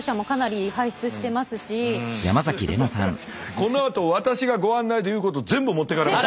このあと私がご案内で言うこと全部持ってかれた。